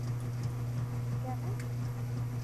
সে বলল, কেন?